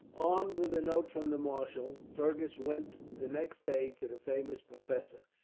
Armed with a note from the marshal, Fergus went the next day to the famous professor.